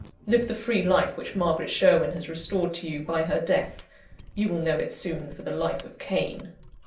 Live the free life which Margaret Sherwin has restored to you by her death you will know it soon for the life of Cain!"